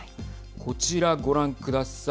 こちら、ご覧ください。